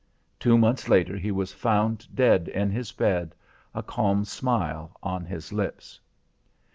Two months later he was found dead in his bed, a calm smile on his lips.